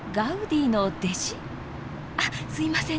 あっすいません。